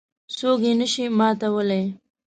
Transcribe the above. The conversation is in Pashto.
څوک یې نه شي ماتولای.